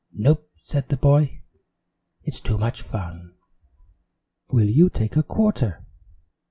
"Nope," said the boy. "It's too much fun." "Will you take a quarter?"